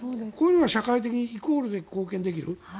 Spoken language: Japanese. こういうのが社会的にイコールで貢献できる。